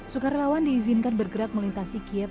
sukarelawan diizinkan bergerak melintasi kiev